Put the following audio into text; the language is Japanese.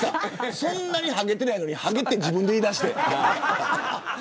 そんなにハゲてないのにハゲって自分で言い出して。